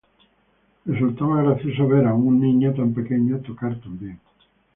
Resultaba gracioso ver a un niño tan pequeño tocar tan bien.